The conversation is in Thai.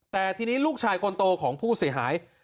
แต่ทีนี้ลูกชายคนโตของผู้เสียหาย